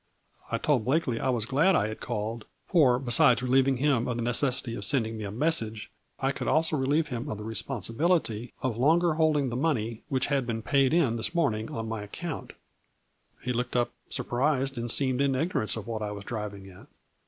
I told Blakely I was glad I had called for besides relieving him of the necessity A FLUBBY I ! V DIAMONDS. 125 of sending me a message, I could also relieve him of the responsibility of longer holding the money which had been paid in this morning on my account. He looked up surprised and seemed in ignorance of what I was driving at.